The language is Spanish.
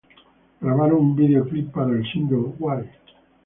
Grabaron un video clip para el single "Why?".